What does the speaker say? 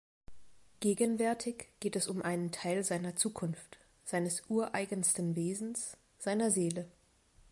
Gegenwärtig geht es um einen Teil seiner Zukunft, seines ureigensten Wesens, seiner Seele.